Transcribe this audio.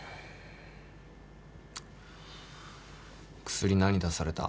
薬何出された？